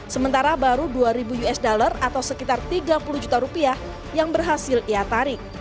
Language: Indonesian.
sementara baru dua usd atau sekitar tiga puluh juta rupiah yang berhasil ia tarik